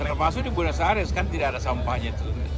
terutama di buenos aires kan tidak ada sampahnya